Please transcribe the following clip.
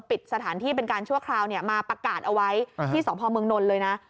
ปิดสถานที่เป็นการชั่วคราวมาประกาศเอาไว้ที่สพเมืองนนท์เลยนะ